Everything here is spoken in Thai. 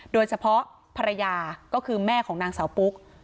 โดยเฉพาะภรรยาก็คือแม่ของนางสาวปุ๊ก